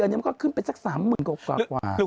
เทียร์คับไฟด้วย